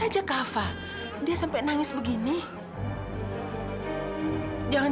dia juga menjjalankan mesin ini hari ini still